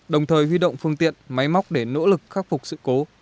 đồng thời huy động phương tiện máy móc để nỗ lực khắc phục sự cố